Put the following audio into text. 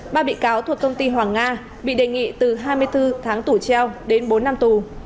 ba bị cáo thuộc công ty hoàng nga bị đề nghị từ hai mươi bốn tháng tù treo đến bốn năm tù